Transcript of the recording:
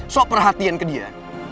sok perhatian ke dia